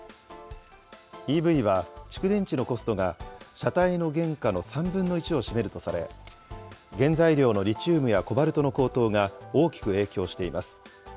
ＥＶは蓄電池のコストが車体の原価の３分の１を占めるとされ、原材料のリチウムやコバルトの高騰が大きく影響しています。